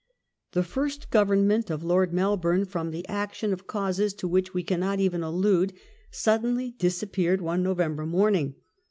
The first Government of Lord Melbourne, from the action of causes to which we cannot even allude, suddenly disappeared one November morn ing.